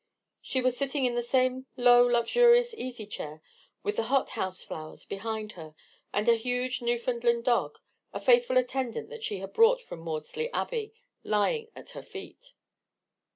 She was sitting in the same low luxurious easy chair, with the hot house flowers behind her, and a huge Newfoundland dog—a faithful attendant that she had brought from Maudesley Abbey—lying at her feet.